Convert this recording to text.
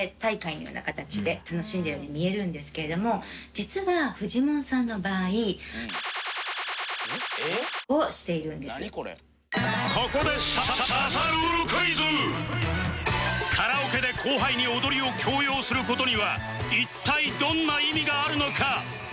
実は一見ホントにここでカラオケで後輩に踊りを強要する事には一体どんな意味があるのか？